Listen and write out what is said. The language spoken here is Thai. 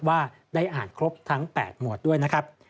ว่าได้อ่านครบทั้ง๘หมวดด้วยนะครับ